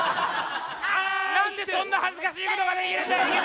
何でそんな恥ずかしいことができるんだ池田！